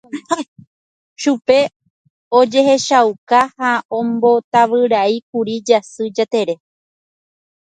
Chupe ojehechauka ha ombotavyraíkuri Jasy Jatere.